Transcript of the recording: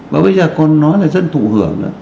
và bây giờ còn nói là dân thủ hưởng